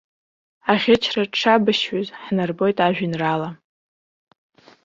Аӷьычра дшабашьҩыз ҳнарбоит ажәеинраала.